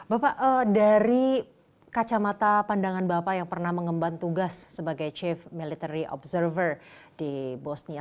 bapak dari kacamata pandangan bapak yang pernah mengemban tugas sebagai chief military observer di bosnia